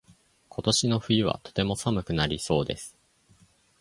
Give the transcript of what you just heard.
今年の冬はとても寒くなりそうです。